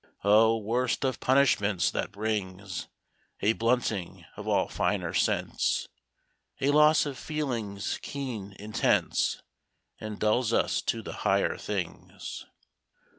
O! worst of punishments, that brings A blunting of all finer sense, A loss of feelings keen, intense, And dulls us to the higher things.